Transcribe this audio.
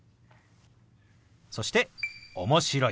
そして「面白い」。